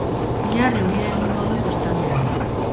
Bihar euria egingo du kostaldean.